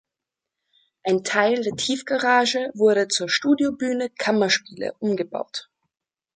Ein Teil der Tiefgarage wurde zur "Studiobühne Kammerspiele" umgebaut.